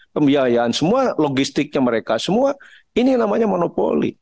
pembiayaan semua logistiknya mereka semua ini yang namanya monopoli